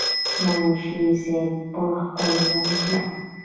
منشي صېب پۀ خپل ژوند کښې